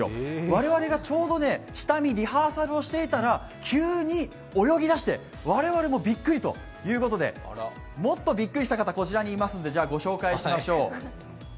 我々がちょうど下見、リハーサルをしていたら、急に泳ぎ出して、我々もびっくりということでもっとびっくりした方、こちらにいますのでご紹介しましょう。